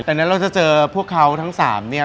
แต่นั้นเราจะเจอพวกเขาทั้ง๓เนี่ย